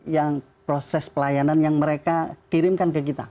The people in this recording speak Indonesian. yang proses pelayanan yang mereka kirimkan ke kita